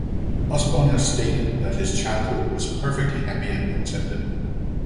Osbourne has stated that his childhood was "perfectly happy and contented".